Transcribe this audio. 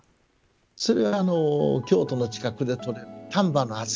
それは京都の近くでとれる丹波の小豆。